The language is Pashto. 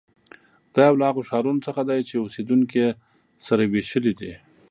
دا یو له هغو ښارونو څخه دی چې اوسېدونکي یې سره وېشلي دي.